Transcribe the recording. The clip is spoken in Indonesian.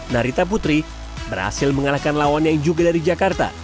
narita putri berhasil mengalahkan lawan yang juga dari jakarta